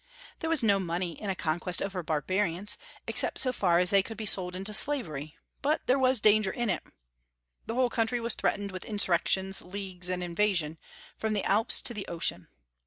There was no money in a conquest over barbarians, except so far as they could be sold into slavery; but there was danger in it. The whole country was threatened with insurrections, leagues, and invasion, from the Alps to the ocean.